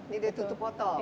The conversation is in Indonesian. jadi tutup botol